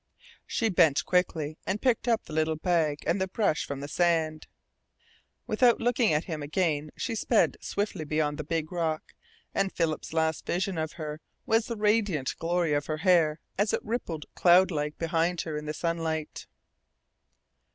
She bent quickly and picked up the little bag and the brush from the sand. Without looking at him again she sped swiftly beyond the big rock, and Philip's last vision of her was the radiant glory of her hair as it rippled cloudlike behind her in the sunlight.